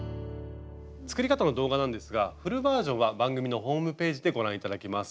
作り方の動画なんですがフルバージョンは番組のホームページでご覧頂けます。